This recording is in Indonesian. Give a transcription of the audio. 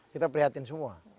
kita prihatin semua